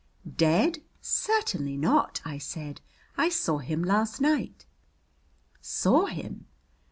"Dead! Certainly not," I said. "I saw him last night." "Saw him!"